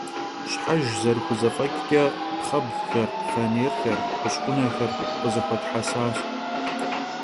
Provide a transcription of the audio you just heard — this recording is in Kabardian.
Şhejj zerıxuzef'eç'ç'e pxhebğuxer, fanêrxer, ğuş' 'unexer khızexuethesaş.